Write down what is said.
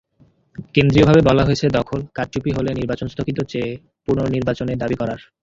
কেন্দ্রীয়ভাবে বলা হয়েছে দখল, কারচুপি হলে নির্বাচন স্থগিত চেয়ে পুনর্নির্বাচনের দাবি করার।